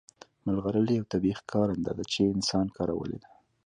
ملغلرې یو طبیعي ښکارنده ده چې انسان کارولې ده